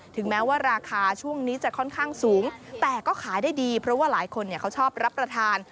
ถึงแม้ว่าราคาช่วงนี้จะค่อนข้างสูงแต่ก็ขายได้ดีเพราะว่าหลายคนเขาชอบรับประทาน